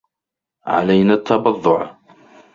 علينا التبضع.